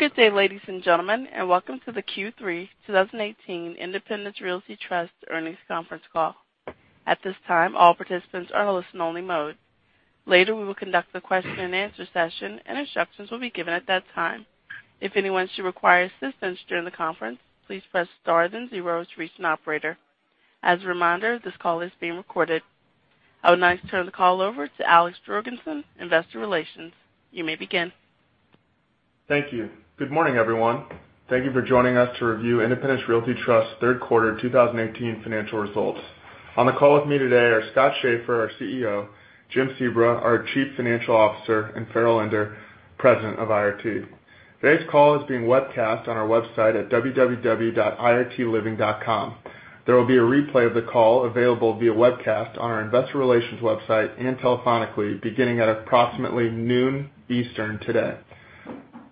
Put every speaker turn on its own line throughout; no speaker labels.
Good day, ladies and gentlemen, welcome to the Q3 2018 Independence Realty Trust Earnings Conference Call. At this time, all participants are in listen only mode. Later, we will conduct a question and answer session, instructions will be given at that time. If anyone should require assistance during the conference, please press star then zero to reach an operator. As a reminder, this call is being recorded. I would now like to turn the call over to Alex Jorgensen, investor relations. You may begin.
Thank you. Good morning, everyone. Thank you for joining us to review Independence Realty Trust's third quarter 2018 financial results. On the call with me today are Scott Schaeffer, our CEO, James Sebra, our chief financial officer, and Farrell Ender, president of IRT. Today's call is being webcast on our website at www.irtliving.com. There will be a replay of the call available via webcast on our investor relations website and telephonically beginning at approximately noon Eastern today.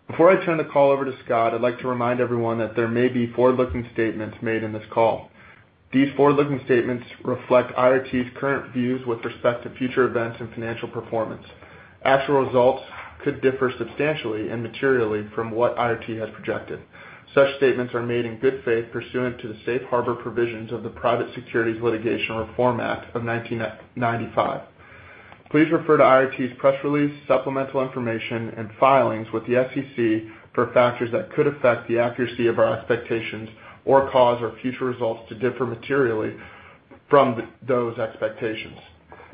Before I turn the call over to Scott, I'd like to remind everyone that there may be forward-looking statements made in this call. These forward-looking statements reflect IRT's current views with respect to future events and financial performance. Actual results could differ substantially and materially from what IRT has projected. Such statements are made in good faith pursuant to the safe harbor provisions of the Private Securities Litigation Reform Act of 1995. Please refer to IRT's press release, supplemental information, and filings with the SEC for factors that could affect the accuracy of our expectations or cause our future results to differ materially from those expectations.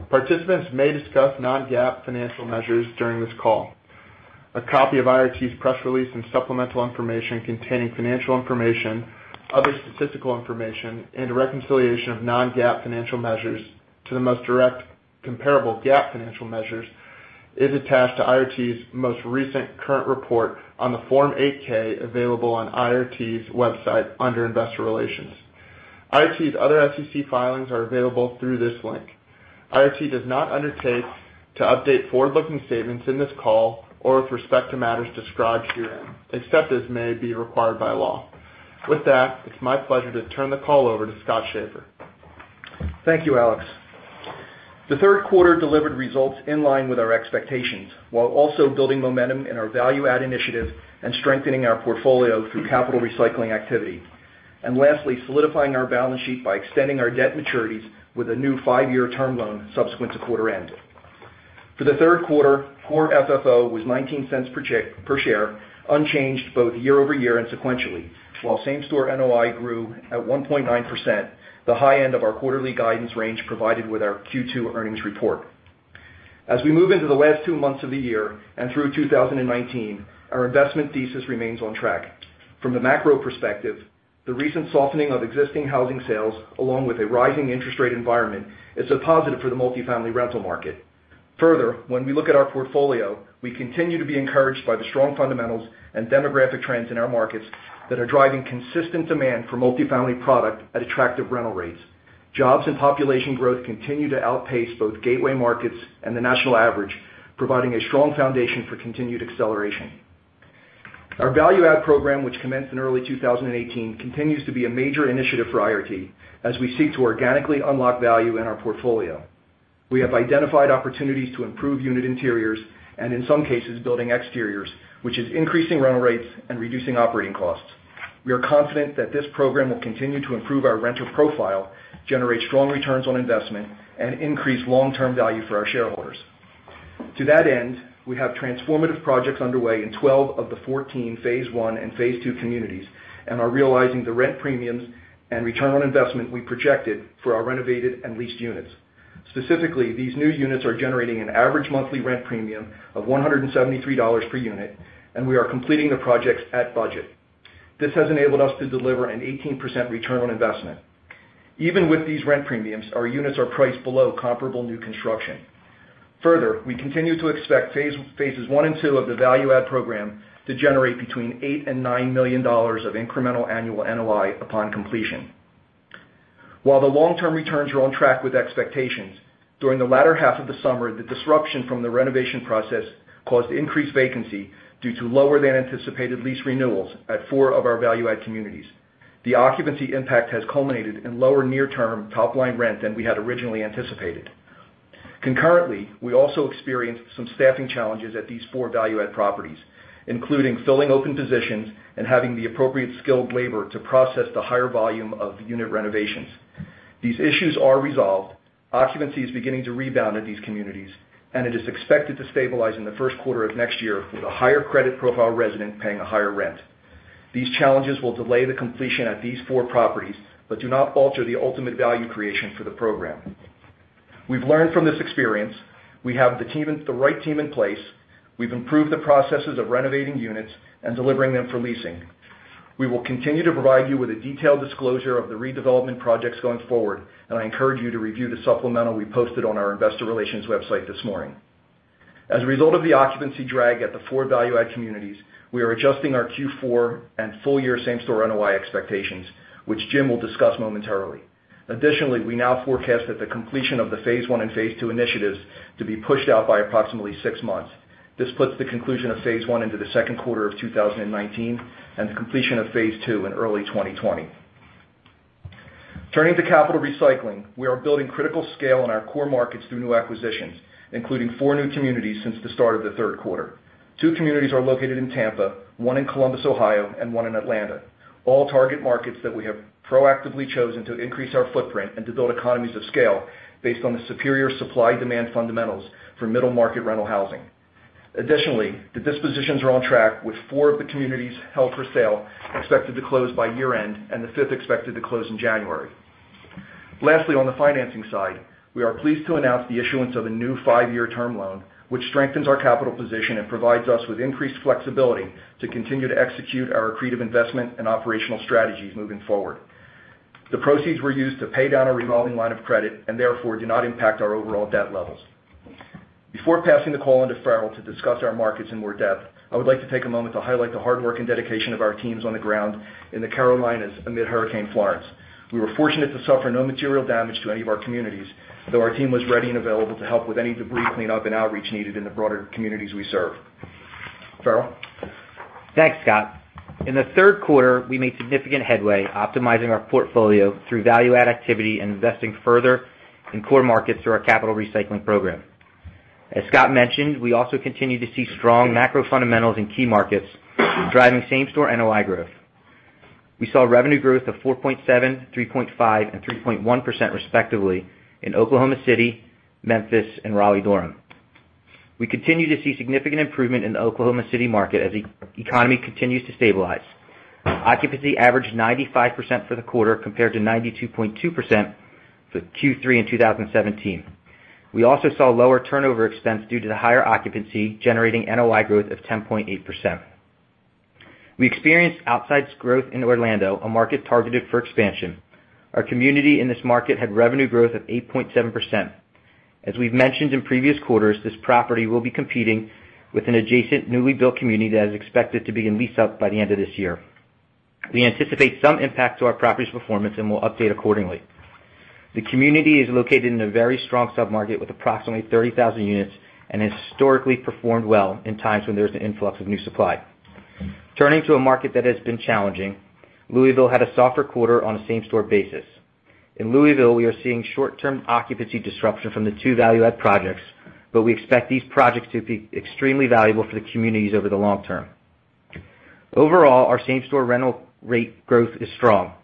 Participants may discuss non-GAAP financial measures during this call. A copy of IRT's press release and supplemental information containing financial information, other statistical information, and a reconciliation of non-GAAP financial measures to the most direct comparable GAAP financial measures is attached to IRT's most recent current report on the Form 8-K available on IRT's website under investor relations. IRT's other SEC filings are available through this link. IRT does not undertake to update forward-looking statements in this call or with respect to matters described herein, except as may be required by law. With that, it's my pleasure to turn the call over to Scott Schaeffer.
Thank you, Alex. The third quarter delivered results in line with our expectations, while also building momentum in our value-add initiative and strengthening our portfolio through capital recycling activity. Lastly, solidifying our balance sheet by extending our debt maturities with a new 5-year term loan subsequent to quarter end. For the third quarter, Core FFO was $0.19 per share, unchanged both year-over-year and sequentially, while same-store NOI grew at 1.9%, the high end of our quarterly guidance range provided with our Q2 earnings report. As we move into the last two months of the year and through 2019, our investment thesis remains on track. From the macro perspective, the recent softening of existing housing sales, along with a rising interest rate environment, is a positive for the multifamily rental market. Further, when we look at our portfolio, we continue to be encouraged by the strong fundamentals and demographic trends in our markets that are driving consistent demand for multifamily product at attractive rental rates. Jobs and population growth continue to outpace both gateway markets and the national average, providing a strong foundation for continued acceleration. Our value-add program, which commenced in early 2018, continues to be a major initiative for IRT as we seek to organically unlock value in our portfolio. We have identified opportunities to improve unit interiors and, in some cases, building exteriors, which is increasing rental rates and reducing operating costs. We are confident that this program will continue to improve our renter profile, generate strong returns on investment, and increase long-term value for our shareholders. To that end, we have transformative projects underway in 12 of the 14 phase one and phase two communities and are realizing the rent premiums and return on investment we projected for our renovated and leased units. Specifically, these new units are generating an average monthly rent premium of $173 per unit, and we are completing the projects at budget. This has enabled us to deliver an 18% return on investment. Even with these rent premiums, our units are priced below comparable new construction. Further, we continue to expect phases one and two of the value-add program to generate between $8 million-$9 million of incremental annual NOI upon completion. While the long-term returns are on track with expectations, during the latter half of the summer, the disruption from the renovation process caused increased vacancy due to lower than anticipated lease renewals at four of our value-add communities. The occupancy impact has culminated in lower near-term top-line rent than we had originally anticipated. Concurrently, we also experienced some staffing challenges at these four value-add properties, including filling open positions and having the appropriate skilled labor to process the higher volume of unit renovations. These issues are resolved. Occupancy is beginning to rebound at these communities, and it is expected to stabilize in the first quarter of next year with a higher credit profile resident paying a higher rent. These challenges will delay the completion at these four properties, but do not falter the ultimate value creation for the program. We've learned from this experience. We have the right team in place. We've improved the processes of renovating units and delivering them for leasing. We will continue to provide you with a detailed disclosure of the redevelopment projects going forward, and I encourage you to review the supplemental we posted on our investor relations website this morning. As a result of the occupancy drag at the four value-add communities, we are adjusting our Q4 and full-year same-store NOI expectations, which Jim will discuss momentarily. We now forecast that the completion of the phase one and phase two initiatives to be pushed out by approximately six months. This puts the conclusion of phase one into the second quarter of 2019 and the completion of phase two in early 2020. Turning to capital recycling, we are building critical scale in our core markets through new acquisitions, including four new communities since the start of the third quarter. Two communities are located in Tampa, one in Columbus, Ohio, and one in Atlanta. All target markets that we have proactively chosen to increase our footprint and to build economies of scale based on the superior supply-demand fundamentals for middle-market rental housing. Additionally, the dispositions are on track, with 4 of the communities held for sale expected to close by year-end, and the 5th expected to close in January. Lastly, on the financing side, we are pleased to announce the issuance of a new five-year term loan, which strengthens our capital position and provides us with increased flexibility to continue to execute our accretive investment and operational strategies moving forward. The proceeds were used to pay down our revolving line of credit and therefore do not impact our overall debt levels. Before passing the call on to Farrell to discuss our markets in more depth, I would like to take a moment to highlight the hard work and dedication of our teams on the ground in the Carolinas amid Hurricane Florence. We were fortunate to suffer no material damage to any of our communities, though our team was ready and available to help with any debris cleanup and outreach needed in the broader communities we serve. Farrell?
Thanks, Scott. In the third quarter, we made significant headway optimizing our portfolio through value-add activity and investing further in core markets through our capital recycling program. As Scott mentioned, we also continue to see strong macro fundamentals in key markets driving same-store NOI growth. We saw revenue growth of 4.7%, 3.5%, and 3.1% respectively in Oklahoma City, Memphis, and Raleigh-Durham. We continue to see significant improvement in the Oklahoma City market as the economy continues to stabilize. Occupancy averaged 95% for the quarter, compared to 92.2% for Q3 in 2017. We also saw lower turnover expense due to the higher occupancy, generating NOI growth of 10.8%. We experienced outsized growth in Orlando, a market targeted for expansion. Our community in this market had revenue growth of 8.7%. As we've mentioned in previous quarters, this property will be competing with an adjacent newly built community that is expected to be in lease-up by the end of this year. We anticipate some impact to our property's performance and will update accordingly. The community is located in a very strong submarket with approximately 30,000 units and has historically performed well in times when there's an influx of new supply. Turning to a market that has been challenging, Louisville had a softer quarter on a same-store basis. In Louisville, we are seeing short-term occupancy disruption from the 2 value-add projects, but we expect these projects to be extremely valuable for the communities over the long term. Overall, our same-store rental rate growth is strong.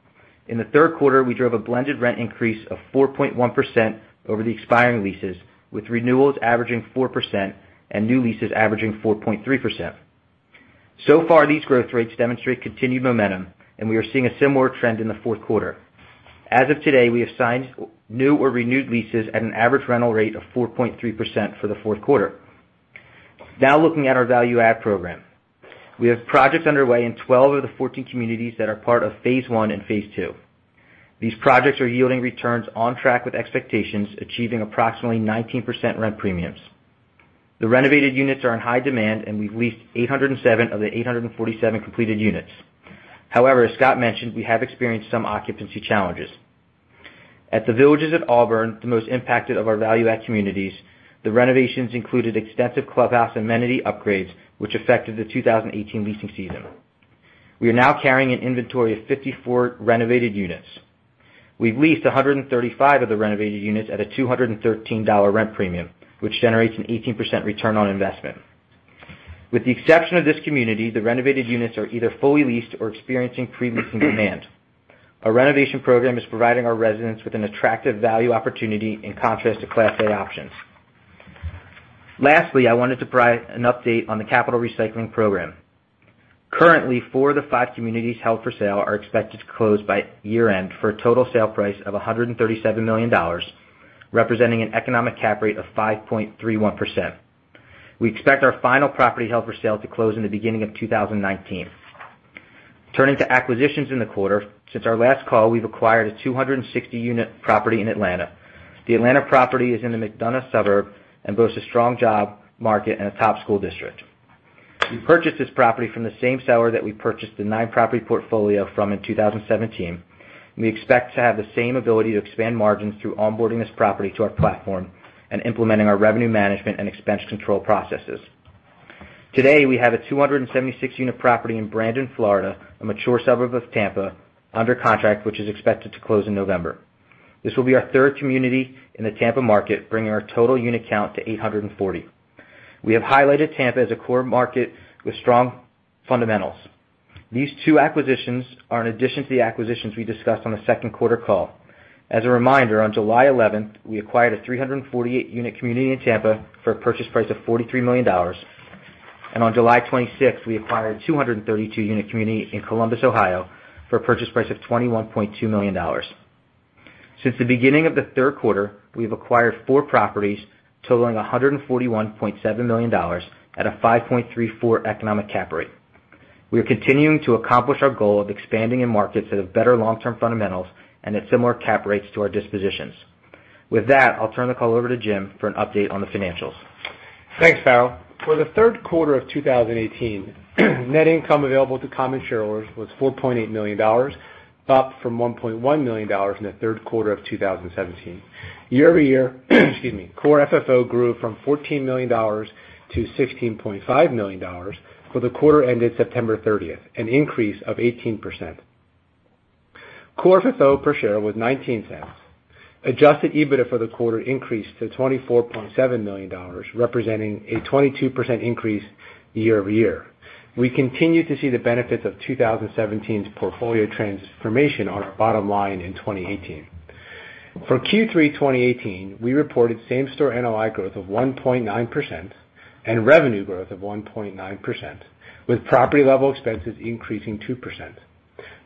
In the third quarter, we drove a blended rent increase of 4.1% over the expiring leases, with renewals averaging 4% and new leases averaging 4.3%. These growth rates demonstrate continued momentum, and we are seeing a similar trend in the fourth quarter. As of today, we have signed new or renewed leases at an average rental rate of 4.3% for the fourth quarter. Looking at our value-add program. We have projects underway in 12 of the 14 communities that are part of phase one and phase two. These projects are yielding returns on track with expectations, achieving approximately 19% rent premiums. The renovated units are in high demand, we've leased 807 of the 847 completed units. However, as Scott mentioned, we have experienced some occupancy challenges. At The Village at Auburn, the most impacted of our value-add communities, the renovations included extensive clubhouse amenity upgrades, which affected the 2018 leasing season. We are now carrying an inventory of 54 renovated units. We've leased 135 of the renovated units at a $213 rent premium, which generates an 18% return on investment. With the exception of this community, the renovated units are either fully leased or experiencing premium demand. Our renovation program is providing our residents with an attractive value opportunity in contrast to Class A options. I wanted to provide an update on the capital recycling program. Currently, four of the five communities held for sale are expected to close by year-end for a total sale price of $137 million, representing an economic cap rate of 5.31%. We expect our final property held for sale to close in the beginning of 2019. Since our last call, we've acquired a 260-unit property in Atlanta. The Atlanta property is in the McDonough suburb and boasts a strong job market and a top school district. We purchased this property from the same seller that we purchased the nine-property portfolio from in 2017, and we expect to have the same ability to expand margins through onboarding this property to our platform and implementing our revenue management and expense control processes. Today, we have a 276-unit property in Brandon, Florida, a mature suburb of Tampa, under contract, which is expected to close in November. This will be our third community in the Tampa market, bringing our total unit count to 840. We have highlighted Tampa as a core market with strong fundamentals. These two acquisitions are in addition to the acquisitions we discussed on the second quarter call. As a reminder, on July 11th, we acquired a 348-unit community in Tampa for a purchase price of $43 million. On July 26th, we acquired a 232-unit community in Columbus, Ohio, for a purchase price of $21.2 million. Since the beginning of the third quarter, we have acquired four properties totaling $141.7 million at a 5.34 economic cap rate. We are continuing to accomplish our goal of expanding in markets that have better long-term fundamentals and have similar cap rates to our dispositions. I'll turn the call over to Jim for an update on the financials.
Thanks, Farrell Ender. For the third quarter of 2018, net income available to common shareholders was $4.8 million, up from $1.1 million in the third quarter of 2017. Year over year, Core FFO grew from $14 million to $16.5 million for the quarter ended September 30th, an increase of 18%. Core FFO per share was $0.19. Adjusted EBITDA for the quarter increased to $24.7 million, representing a 22% increase year over year. We continue to see the benefits of 2017's portfolio transformation on our bottom line in 2018. For Q3 2018, we reported same-store NOI growth of 1.9% and revenue growth of 1.9%, with property-level expenses increasing 2%.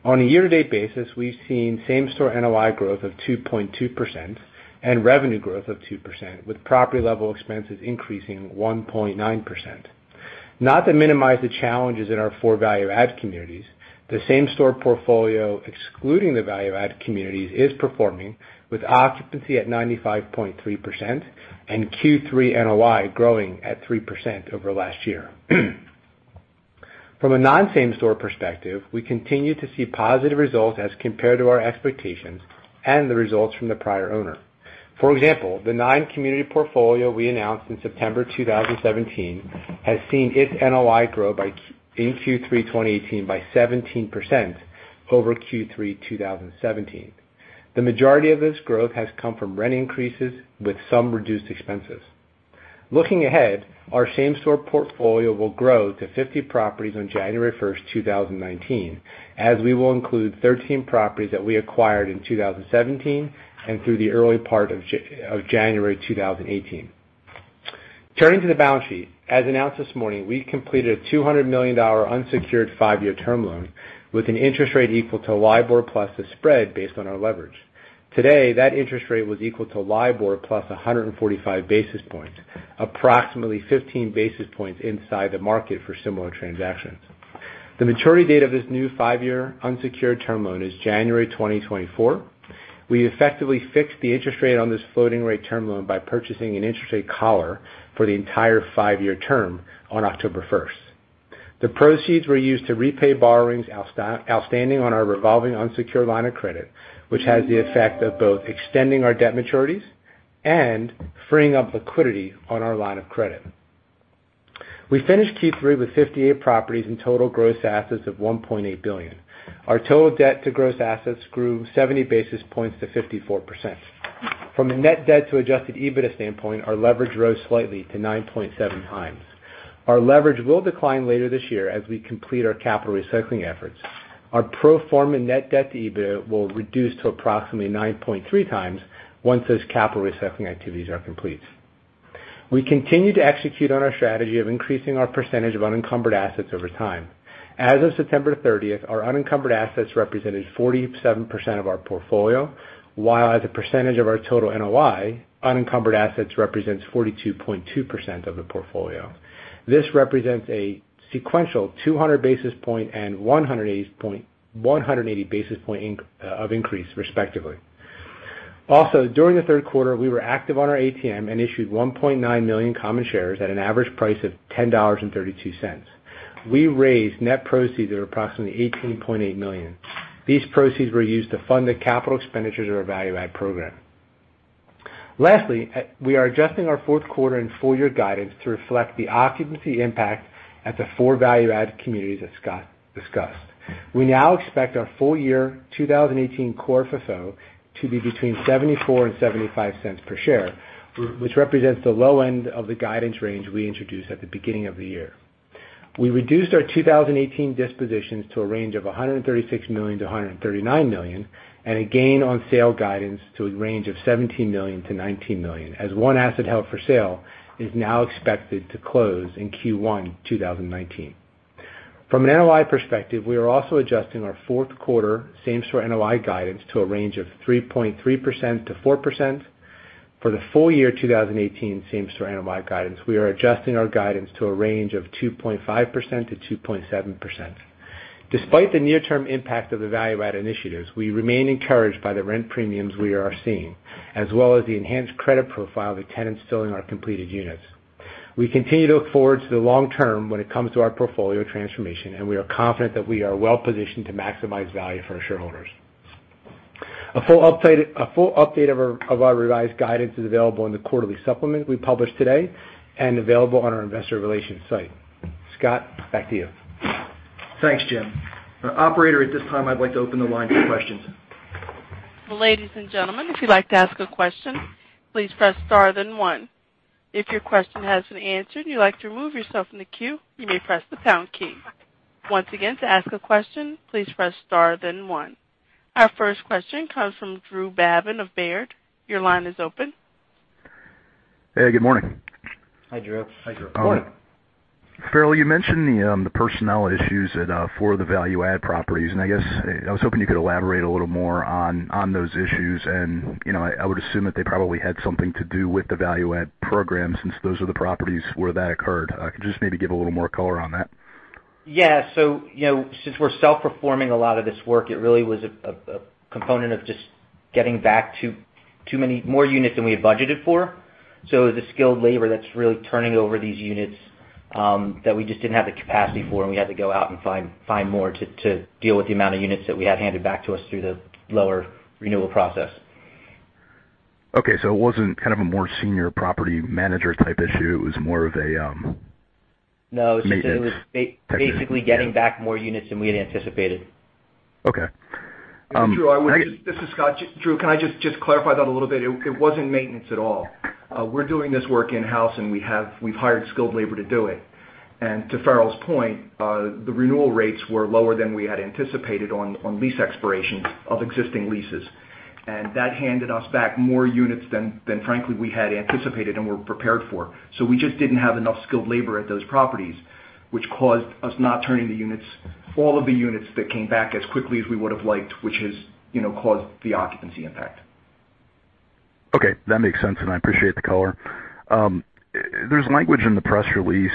On a year-to-date basis, we've seen same-store NOI growth of 2.2% and revenue growth of 2%, with property-level expenses increasing 1.9%. Not to minimize the challenges in our 4 value-add communities, the same-store portfolio, excluding the value-add communities, is performing with occupancy at 95.3% and Q3 NOI growing at 3% over last year. From a non-same store perspective, we continue to see positive results as compared to our expectations and the results from the prior owner. For example, the 9-community portfolio we announced in September 2017 has seen its NOI grow in Q3 2018 by 17% over Q3 2017. The majority of this growth has come from rent increases, with some reduced expenses. Looking ahead, our same-store portfolio will grow to 50 properties on January 1st, 2019, as we will include 13 properties that we acquired in 2017 and through the early part of January 2018. Turning to the balance sheet. As announced this morning, we completed a $200 million unsecured 5-year term loan with an interest rate equal to LIBOR plus a spread based on our leverage. Today, that interest rate was equal to LIBOR plus 145 basis points, approximately 15 basis points inside the market for similar transactions. The maturity date of this new 5-year unsecured term loan is January 2024. We effectively fixed the interest rate on this floating rate term loan by purchasing an interest rate collar for the entire 5-year term on October 1st. The proceeds were used to repay borrowings outstanding on our revolving unsecured line of credit, which has the effect of both extending our debt maturities and freeing up liquidity on our line of credit. We finished Q3 with 58 properties and total gross assets of $1.8 billion. Our total debt to gross assets grew 70 basis points to 54%. From a net debt to adjusted EBITDA standpoint, our leverage rose slightly to 9.7 times. Our leverage will decline later this year as we complete our capital recycling efforts. Our pro forma net debt to EBITDA will reduce to approximately 9.3 times once those capital recycling activities are complete. We continue to execute on our strategy of increasing our percentage of unencumbered assets over time. As of September 30th, our unencumbered assets represented 47% of our portfolio, while as a percentage of our total NOI, unencumbered assets represents 42.2% of the portfolio. This represents a sequential 200 basis point and 180 basis point of increase, respectively. Also, during the third quarter, we were active on our ATM and issued 1.9 million common shares at an average price of $10.32. We raised net proceeds of approximately $18.8 million. These proceeds were used to fund the capital expenditures of our value-add program. Lastly, we are adjusting our fourth quarter and full-year guidance to reflect the occupancy impact at the four value-add communities that Scott discussed. We now expect our full-year 2018 Core FFO to be between $0.74 and $0.75 per share, which represents the low end of the guidance range we introduced at the beginning of the year. We reduced our 2018 dispositions to a range of $136 million-$139 million, and a gain on sale guidance to a range of $17 million-$19 million, as one asset held for sale is now expected to close in Q1 2019. From an NOI perspective, we are also adjusting our fourth quarter same-store NOI guidance to a range of 3.3%-4%. For the full year 2018 same-store NOI guidance, we are adjusting our guidance to a range of 2.5%-2.7%. Despite the near-term impact of the value-add initiatives, we remain encouraged by the rent premiums we are seeing, as well as the enhanced credit profile of the tenants filling our completed units. We continue to look forward to the long term when it comes to our portfolio transformation, and we are confident that we are well positioned to maximize value for our shareholders. A full update of our revised guidance is available in the quarterly supplement we published today and available on our investor relations site. Scott, back to you.
Thanks, Jim. Operator, at this time, I'd like to open the line for questions.
Ladies and gentlemen, if you'd like to ask a question, please press star then one. If your question has been answered and you'd like to remove yourself from the queue, you may press the pound key. Once again, to ask a question, please press star then one. Our first question comes from Drew Babin of Baird. Your line is open.
Hey, good morning.
Hi, Drew.
Hi, Drew.
Farrell, you mentioned the personnel issues for the value-add properties, I guess I was hoping you could elaborate a little more on those issues. I would assume that they probably had something to do with the value-add program since those are the properties where that occurred. Could you just maybe give a little more color on that?
Since we're self-performing a lot of this work, it really was a component of just getting back to more units than we had budgeted for. The skilled labor that's really turning over these units that we just didn't have the capacity for, and we had to go out and find more to deal with the amount of units that we had handed back to us through the lower renewal process.
Okay, it wasn't kind of a more senior property manager type issue.
No maintenance. It was basically getting back more units than we had anticipated.
Okay.
Drew, this is Scott. Drew, can I just clarify that a little bit? It wasn't maintenance at all. We're doing this work in-house, and we've hired skilled labor to do it. To Farrell's point, the renewal rates were lower than we had anticipated on lease expirations of existing leases. That handed us back more units than, frankly, we had anticipated and were prepared for. We just didn't have enough skilled labor at those properties, which caused us not turning all of the units that came back as quickly as we would've liked, which has caused the occupancy impact.
Okay, that makes sense, and I appreciate the color. There's language in the press release,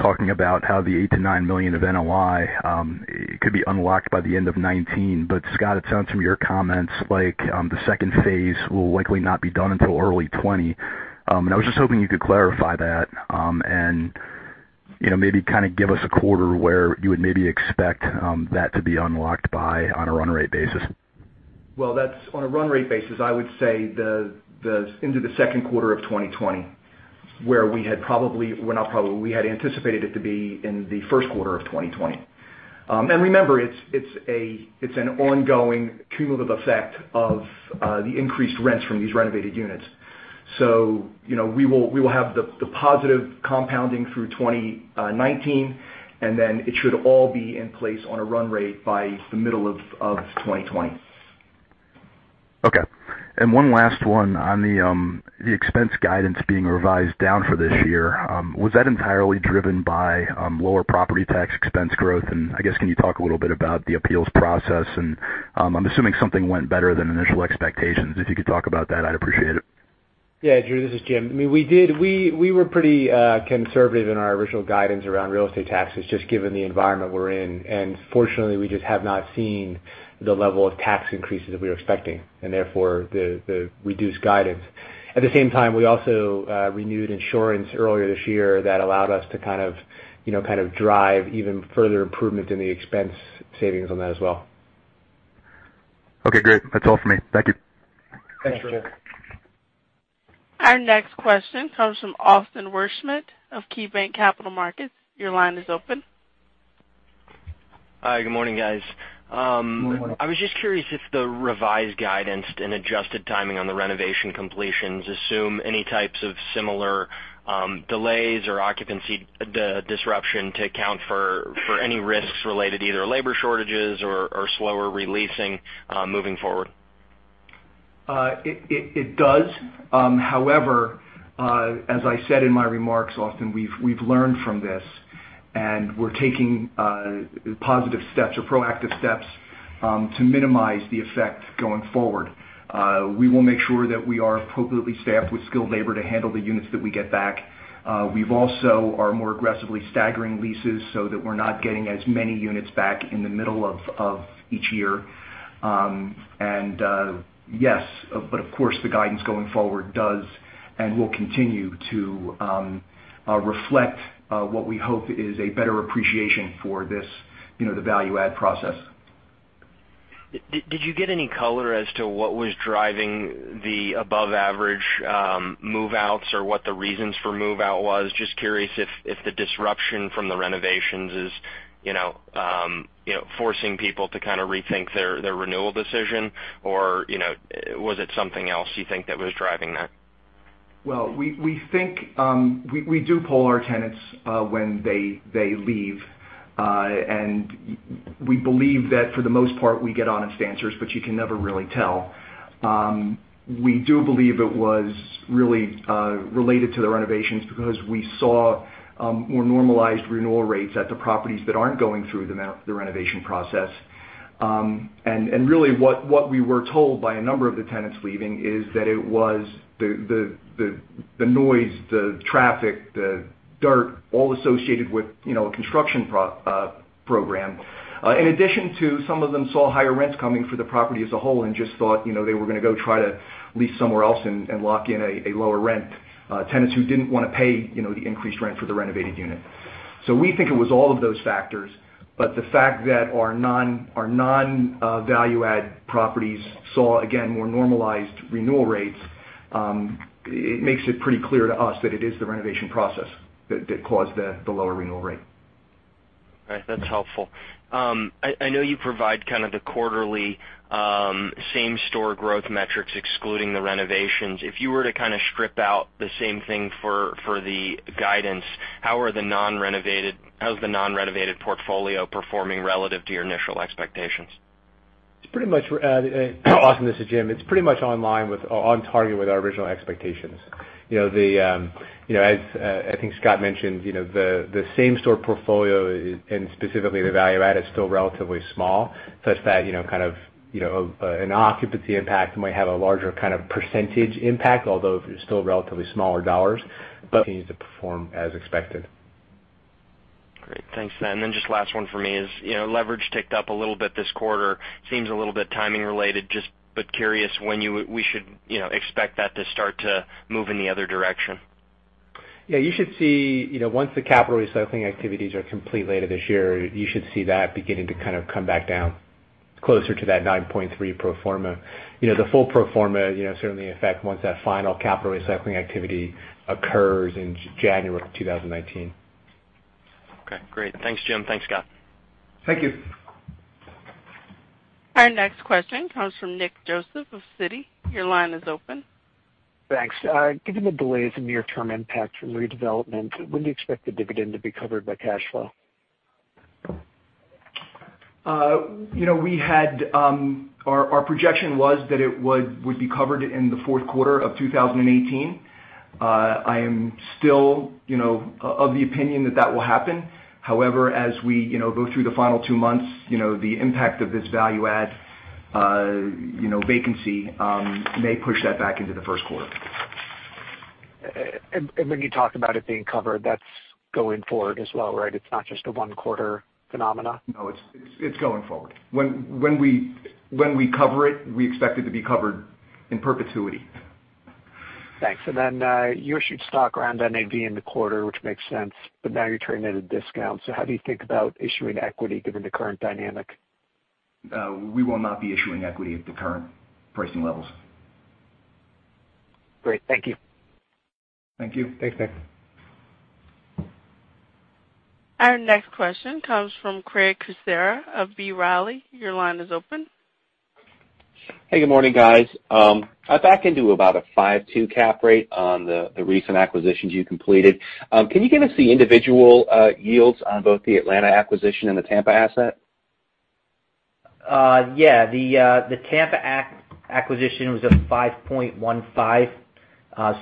talking about how the $8 million to $9 million of NOI could be unlocked by the end of 2019, but Scott, it sounds from your comments like the second phase will likely not be done until early 2020. I was just hoping you could clarify that, and maybe give us a quarter where you would maybe expect that to be unlocked by on a run-rate basis.
Well, on a run-rate basis, I would say into the second quarter of 2020, where we had anticipated it to be in the first quarter of 2020. Remember, it's an ongoing cumulative effect of the increased rents from these renovated units. We will have the positive compounding through 2019, and then it should all be in place on a run-rate by the middle of 2020.
Okay. One last one on the expense guidance being revised down for this year. Was that entirely driven by lower property tax expense growth? I guess, can you talk a little bit about the appeals process? I'm assuming something went better than initial expectations. If you could talk about that, I'd appreciate it.
Yeah, Drew, this is Jim. We were pretty conservative in our original guidance around real estate taxes, just given the environment we're in. Fortunately, we just have not seen the level of tax increases that we were expecting, and therefore, the reduced guidance. At the same time, we also renewed insurance earlier this year that allowed us to kind of drive even further improvement in the expense savings on that as well.
Okay, great. That's all for me. Thank you.
Thanks, Drew.
Thanks.
Our next question comes from Austin Wurschmidt of KeyBanc Capital Markets. Your line is open.
Hi, good morning, guys.
Good morning.
I was just curious if the revised guidance and adjusted timing on the renovation completions assume any types of similar delays or occupancy disruption to account for any risks related to either labor shortages or slower releasing, moving forward.
It does. However, as I said in my remarks, Austin, we've learned from this, and we're taking positive steps or proactive steps, to minimize the effect going forward. We will make sure that we are appropriately staffed with skilled labor to handle the units that we get back. We also are more aggressively staggering leases so that we're not getting as many units back in the middle of each year. Yes, of course the guidance going forward does and will continue to reflect what we hope is a better appreciation for the value-add process.
Did you get any color as to what was driving the above-average move-outs or what the reasons for move-out was? Just curious if the disruption from the renovations is forcing people to kind of rethink their renewal decision, or was it something else you think that was driving that?
Well, we do poll our tenants, when they leave. We believe that for the most part, we get honest answers, but you can never really tell. We do believe it was really related to the renovations because we saw more normalized renewal rates at the properties that aren't going through the renovation process. Really what we were told by a number of the tenants leaving is that it was the noise, the traffic, the dirt, all associated with a construction program. In addition to some of them saw higher rents coming for the property as a whole and just thought they were going to go try to lease somewhere else and lock in a lower rent. Tenants who didn't want to pay the increased rent for the renovated unit. We think it was all of those factors, but the fact that our non-value-add properties saw, again, more normalized renewal rates, it makes it pretty clear to us that it is the renovation process that caused the lower renewal rate.
All right. That's helpful. I know you provide kind of the quarterly same-store growth metrics excluding the renovations. If you were to kind of strip out the same thing for the guidance, how is the non-renovated portfolio performing relative to your initial expectations?
Austin, this is Jim. It's pretty much on target with our original expectations. As I think Scott mentioned, the same-store portfolio, and specifically the value-add, is still relatively small such that an occupancy impact might have a larger kind of percentage impact, although still relatively smaller dollars, but continues to perform as expected.
Great. Thanks. Then just last one for me is, leverage ticked up a little bit this quarter. Seems a little bit timing related. Just but curious when we should expect that to start to move in the other direction.
Yeah, you should see, once the capital recycling activities are complete later this year, you should see that beginning to kind of come back down closer to that 9.3 pro forma. The full pro forma certainly affect once that final capital recycling activity occurs in January of 2019.
Okay, great. Thanks, Jim. Thanks, Scott.
Thank you.
Our next question comes from Nick Joseph of Citi. Your line is open.
Thanks. Given the delays in near-term impact from redevelopment, when do you expect the dividend to be covered by cash flow?
Our projection was that it would be covered in the fourth quarter of 2018. I am still of the opinion that that will happen. As we go through the final two months, the impact of this value-add, vacancy may push that back into the first quarter.
When you talk about it being covered, that's going forward as well, right? It's not just a one-quarter phenomena.
No, it's going forward. When we cover it, we expect it to be covered in perpetuity.
Thanks. You issued stock around NAV in the quarter, which makes sense, but now you're trading at a discount. How do you think about issuing equity given the current dynamic?
We will not be issuing equity at the current pricing levels.
Great. Thank you.
Thank you.
Thanks, Nick.
Our next question comes from Craig Kucera of B. Riley. Your line is open.
Hey, good morning, guys. I back into about a 5.2 cap rate on the recent acquisitions you completed. Can you give us the individual yields on both the Atlanta acquisition and the Tampa asset?
Yeah. The Tampa acquisition was a 5.15,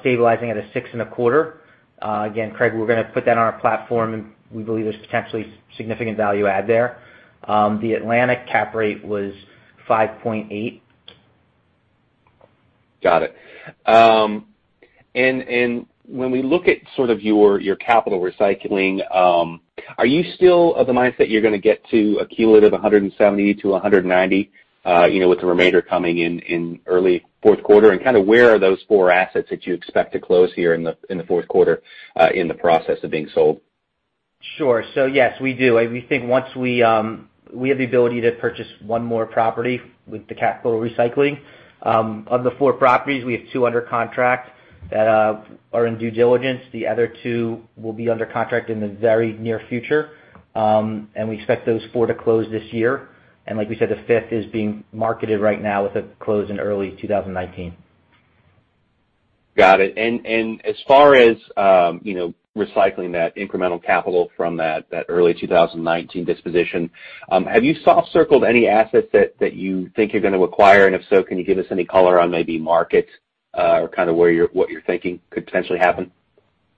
stabilizing at a six and a quarter. Craig, we're going to put that on our platform, and we believe there's potentially significant value-add there. The Atlanta cap rate was 5.8.
Got it. When we look at sort of your capital recycling, are you still of the mindset you're gonna get to accumulative $170-$190, with the remainder coming in early fourth quarter? Kind of where are those four assets that you expect to close here in the fourth quarter, in the process of being sold?
Sure. Yes, we do. We think we have the ability to purchase one more property with the capital recycling. Of the four properties, we have two under contract that are in due diligence. The other two will be under contract in the very near future. We expect those four to close this year. Like we said, the fifth is being marketed right now with a close in early 2019.
Got it. As far as recycling that incremental capital from that early 2019 disposition, have you soft-circled any assets that you think you're gonna acquire? If so, can you give us any color on maybe markets, or kind of what you're thinking could potentially happen?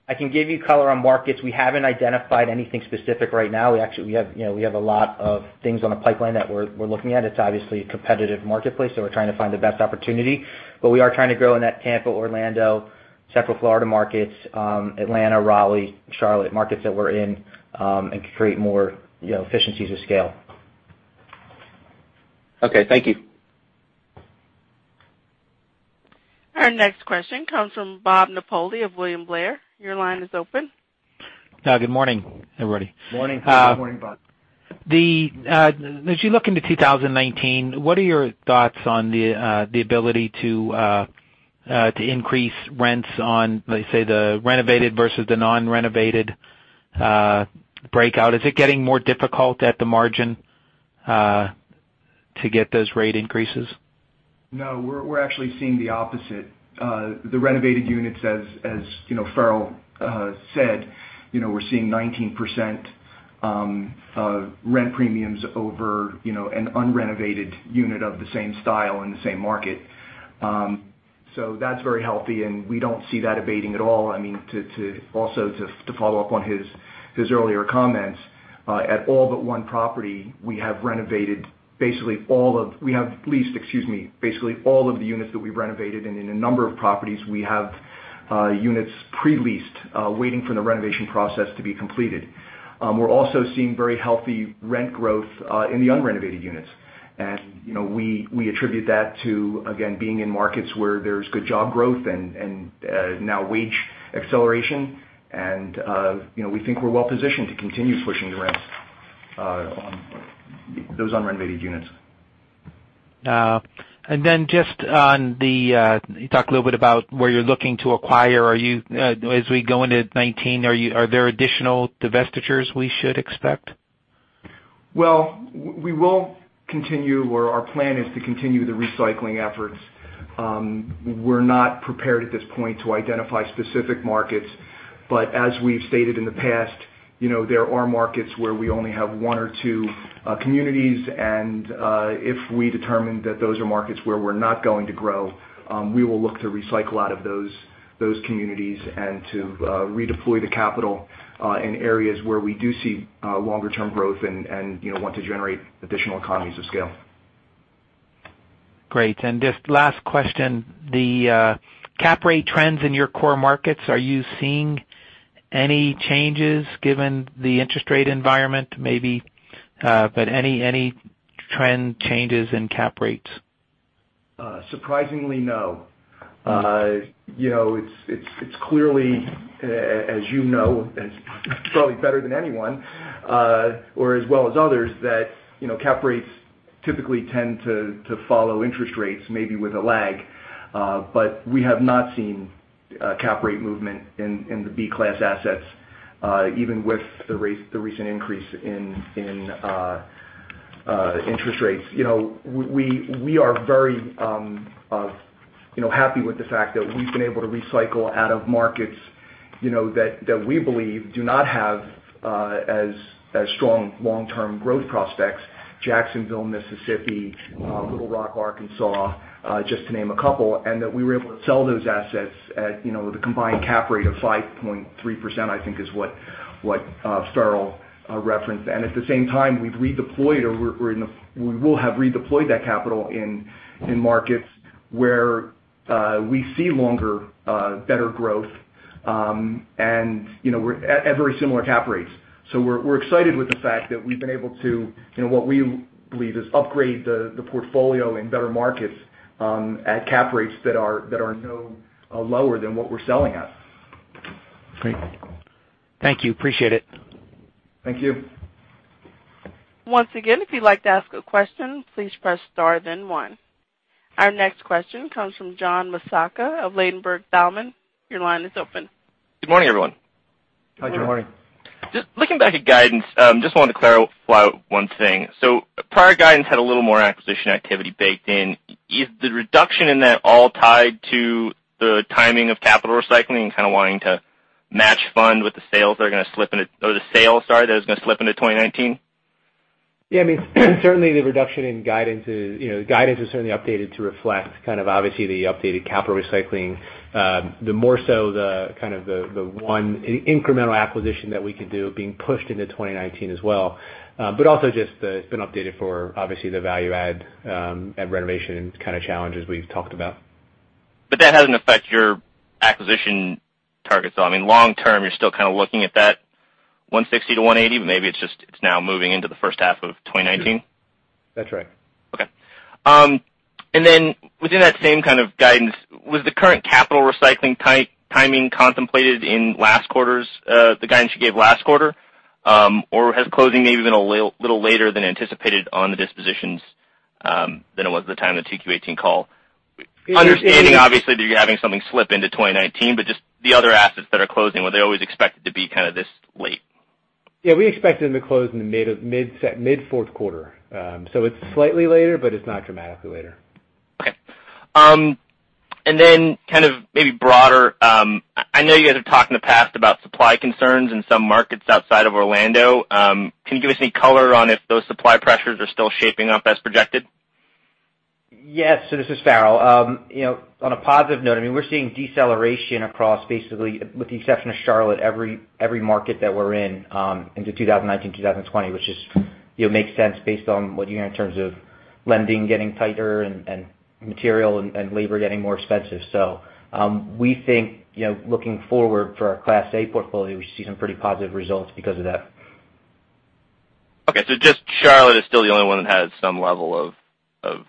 I can give you color on markets. We haven't identified anything specific right now. We have a lot of things on the pipeline that we're looking at. It's obviously a competitive marketplace. We're trying to find the best opportunity. We are trying to grow in that Tampa, Orlando, Central Florida markets, Atlanta, Raleigh, Charlotte, markets that we're in, and create more efficiencies of scale.
Okay, thank you.
Our next question comes from Bob Napoli of William Blair. Your line is open.
Good morning, everybody.
Morning.
Morning, Bob.
As you look into 2019, what are your thoughts on the ability to increase rents on, let's say, the renovated versus the non-renovated breakout? Is it getting more difficult at the margin, to get those rate increases?
No. We're actually seeing the opposite. The renovated units as Farrell said, we're seeing 19% rent premiums over an unrenovated unit of the same style in the same market. That's very healthy, and we don't see that abating at all. Also, to follow up on his earlier comments, at all but one property, we have leased, basically all of the units that we've renovated, and in a number of properties, we have units pre-leased, waiting for the renovation process to be completed. We're also seeing very healthy rent growth in the unrenovated units. We attribute that to, again, being in markets where there's good job growth and now wage acceleration. We think we're well-positioned to continue pushing the rents on those unrenovated units.
You talked a little bit about where you're looking to acquire. As we go into 2019, are there additional divestitures we should expect?
Well, we will continue, or our plan is to continue the recycling efforts. We're not prepared at this point to identify specific markets. As we've stated in the past, there are markets where we only have one or two communities and, if we determine that those are markets where we're not going to grow, we will look to recycle out of those communities and to redeploy the capital in areas where we do see longer-term growth and want to generate additional economies of scale.
Great. Just last question, the cap rate trends in your core markets, are you seeing any changes given the interest rate environment, maybe, but any trend changes in cap rates?
Surprisingly, no. It's clearly, as you know, probably better than anyone, or as well as others, that cap rates typically tend to follow interest rates, maybe with a lag. We have not seen cap rate movement in the Class B assets, even with the recent increase in interest rates. We are very happy with the fact that we've been able to recycle out of markets that we believe do not have as strong long-term growth prospects. Jacksonville, Jackson, Little Rock, Arkansas, just to name a couple, and that we were able to sell those assets at the combined cap rate of 5.3%, I think is what Farrell referenced. At the same time, we've redeployed or we will have redeployed that capital in markets where we see longer, better growth and at very similar cap rates. We're excited with the fact that we've been able to, what we believe is upgrade the portfolio in better markets, at cap rates that are no lower than what we're selling at.
Great. Thank you. Appreciate it.
Thank you.
Once again, if you'd like to ask a question, please press star then one. Our next question comes from John Massocca of Ladenburg Thalmann. Your line is open.
Good morning, everyone.
Hi, good morning.
Just looking back at guidance, just wanted to clarify one thing. Prior guidance had a little more acquisition activity baked in. Is the reduction in that all tied to the timing of capital recycling and kind of wanting to match fund with the sales that are going to slip into 2019?
Yeah. Certainly the reduction in guidance is certainly updated to reflect kind of obviously the updated capital recycling. The more so the kind of the one incremental acquisition that we could do being pushed into 2019 as well. Also just it's been updated for obviously the value-add and renovation kind of challenges we've talked about.
That hasn't affect your acquisition targets though. Long term, you're still kind of looking at that 160-180, but maybe it's just, it's now moving into the first half of 2019?
That's right.
Within that same kind of guidance, was the current capital recycling timing contemplated in the guidance you gave last quarter? Or has closing maybe been a little later than anticipated on the dispositions, than it was at the time of the 2Q18 call? Understanding obviously that you're having something slip into 2019, but just the other assets that are closing, were they always expected to be kind of this late?
We expected them to close in the mid fourth quarter. It's slightly later, but it's not dramatically later.
Kind of maybe broader, I know you guys have talked in the past about supply concerns in some markets outside of Orlando. Can you give us any color on if those supply pressures are still shaping up as projected?
This is Farrell. On a positive note, we're seeing deceleration across basically, with the exception of Charlotte, every market that we're in into 2019, 2020, which just makes sense based on what you hear in terms of lending getting tighter and material and labor getting more expensive. We think, looking forward for our Class A portfolio, we see some pretty positive results because of that.
Just Charlotte is still the only one that has some level of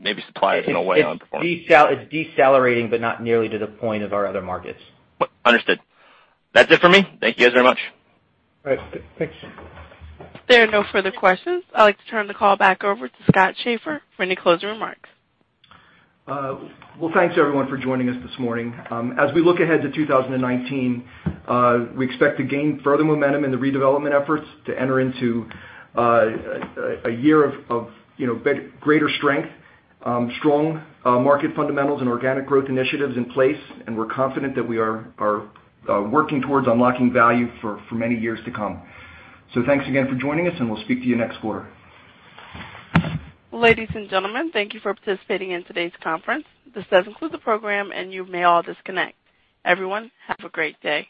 maybe supply weighing on performance.
It's decelerating, not nearly to the point of our other markets.
Understood. That's it for me. Thank you guys very much.
All right, thanks.
There are no further questions. I'd like to turn the call back over to Scott Schaeffer for any closing remarks.
Well, thanks everyone for joining us this morning. As we look ahead to 2019, we expect to gain further momentum in the redevelopment efforts to enter into a year of greater strength, strong market fundamentals, and organic growth initiatives in place. We're confident that we are working towards unlocking value for many years to come. Thanks again for joining us, and we'll speak to you next quarter.
Ladies and gentlemen, thank you for participating in today's conference. This does conclude the program, and you may all disconnect. Everyone, have a great day.